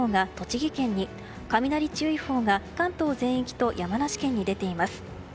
その他、大雨注意報が栃木県に雷注意報が関東全域と山梨県に出ています。